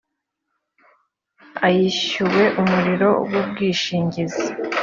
ayishyuwe umurimo w ubwishingizi